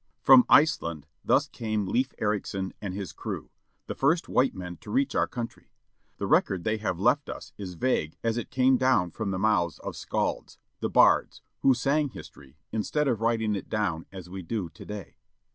From Iceland thus came Leif Ericsson and his crew, the first white men to reach our country. The record they have left us is vague as it came down from the mouths of "skalds" â the bards â who sang history, instead of writing it down as we do today.